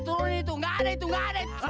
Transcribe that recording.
turun itu nggak ada itu nggak ada itu